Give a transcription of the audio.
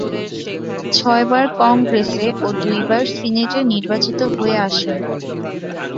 ছয়বার কংগ্রেসে ও দুইবার সিনেটে নির্বাচিত হয়ে আসেন।